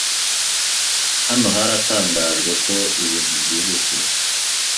Hano haratangajwe ko ibintu byihutirwa.